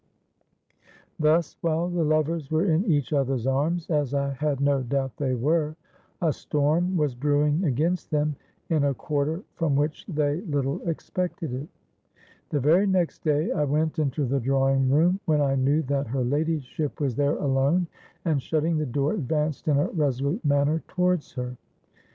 Thus, while the lovers were in each other's arms—as I had no doubt they were—a storm was brewing against them in a quarter from which they little expected it. "The very next day I went into the drawing room when I knew that her ladyship was there alone, and, shutting the door, advanced in a resolute manner towards her.